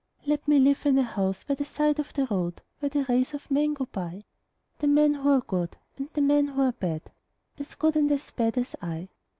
Let me live in a house by the side of the road Where the race of men go by The men who are good and the men who are bad, As good and as bad as I.